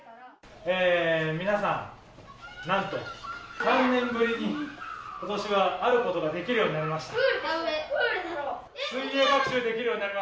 皆さん、なんと、３年ぶりにことしはあることができるようになりました。